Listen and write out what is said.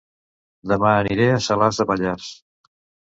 Dema aniré a Salàs de Pallars